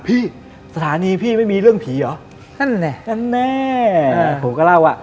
พี่สถานีพี่ไม่มีเรื่องผีหรอ